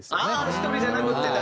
１人じゃなくて確かに。